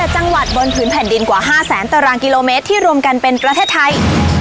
จังหวัดบนพื้นแผ่นดินกว่า๕แสนตารางกิโลเมตรที่รวมกันเป็นประเทศไทย